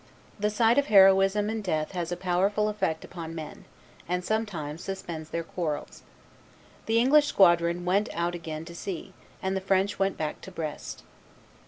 The sight of heroism and death has a powerful effect upon men, and sometimes suspends their quarrels. The English squadron went out again to sea, and the French went back to Brest.